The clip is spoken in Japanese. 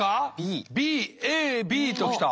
ＢＡＢと来た。